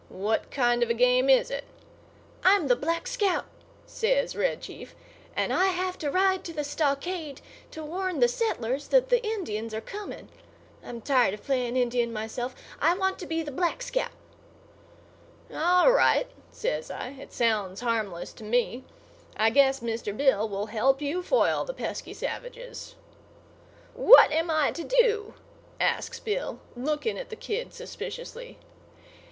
What kind of a game is it?" "I'm the Black Scout," says Red Chief, "and I have to ride to the stockade to warn the settlers that the Indians are coming. I'm tired of playing Indian myself. I want to be the Black Scout." "All right," says I. "It sounds harmless to me. I guess Mr. Bill will help you foil the pesky savages." "What am I to do?" asks Bill, looking at the kid suspiciously.